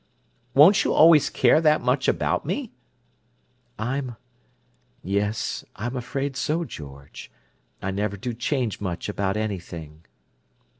"Won't you always care that much about me?" "I'm—yes—I'm afraid so, George. I never do change much about anything."